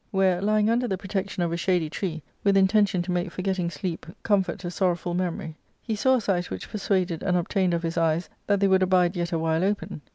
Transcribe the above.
Where, lying under the protection of a shady tree, with intention to make forget ting sleep comfort a sorrowful memory, he saw a sight which persuaded and obtained of his eyes that they would abide yet a while open.